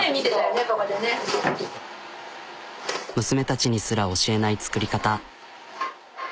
娘たちにすら教えない作り方。